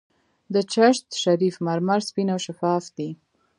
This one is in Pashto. د چشت شریف مرمر سپین او شفاف دي.